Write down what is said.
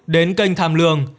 đến kênh tham lường